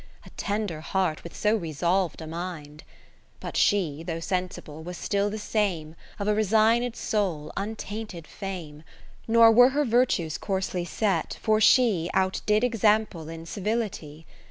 A tender heart with so resolv'd a mind ! But she, though sensible, was still the same, Of a resigned soul, untainted fame ; Nor were her virtues coarsely set, for she Out did example in civility.